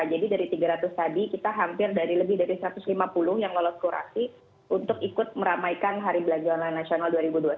jadi dari tiga ratus tadi kita hampir dari lebih dari satu ratus lima puluh yang lolos kurasi untuk ikut meramaikan hari belanja online nasional dua ribu dua puluh satu